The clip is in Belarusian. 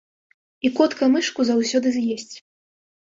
І котка мышку заўсёды з'есць.